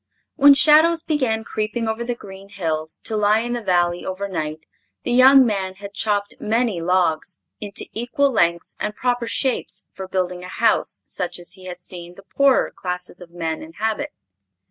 When shadows began creeping over the green hills to lie in the Valley overnight, the young man had chopped many logs into equal lengths and proper shapes for building a house such as he had seen the poorer classes of men inhabit.